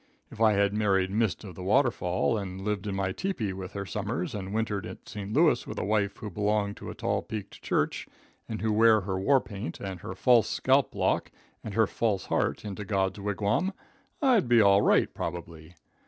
If I had married Mist of the Waterfall, and had lived in my tepee with her summers, and wintered at St. Louis with a wife who belonged to a tall peaked church, and who wore her war paint, and her false scalp lock, and her false heart into God's wigwam, I'd be all right, probably.